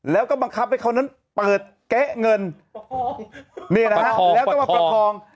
แล้วก็บังคับให้เขานั้นเปิดเก๊ะเงินโอ้โหนี่นะฮะแล้วก็มาประคอง